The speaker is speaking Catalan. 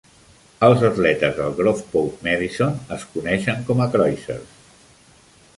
Els atletes del Groveport Madison es coneixen com a Cruisers.